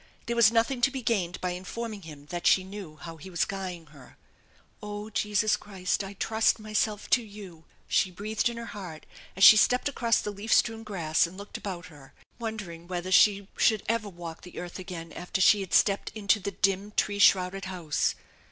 There was nothing to be gained by informing him that she knew h< ' was guying her. " Oh, Jesus Christ, I trust myself to you !" she breathed in her heart as she stepped across the leaf strewn grass and looked about her, wondering whether she should ever walk the earth again after she had stepped into the dim tree shrouded house.